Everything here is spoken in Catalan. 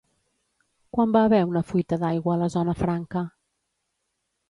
Quan va haver una fuita d'aigua a la Zona Franca?